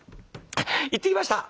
行ってきました！」。